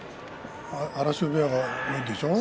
荒汐部屋が今、多いんでしょう？